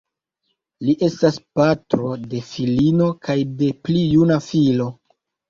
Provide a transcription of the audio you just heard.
Li estas patro de filino kaj de pli juna filo.